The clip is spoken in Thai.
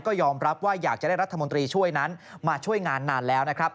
ก็ยอมรับว่าอยากจะได้รัฐมนตรีช่วยนั้นมาช่วยงานนานแล้วนะครับ